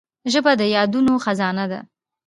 ژبه د یادونو خزانه ده